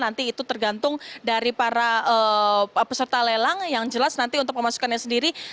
nanti itu tergantung dari para peserta lelang yang jelas nanti untuk pemasukannya sendiri